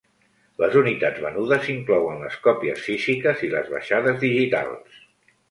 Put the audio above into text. Les unitats venudes inclouen les còpies físiques i les baixades digitals.